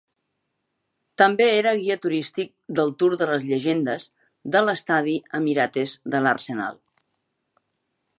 També era guia turístic del "Tour de les Llegendes" de l'estadi Emirates de l'Arsenal.